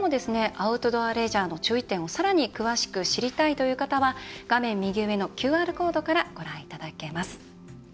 アウトドアレジャーの注意点をさらに詳しく知りたいという方は画面右上のＱＲコードからご覧いただけます。